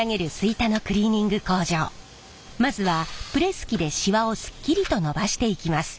まずはプレス機でシワをすっきりと伸ばしていきます。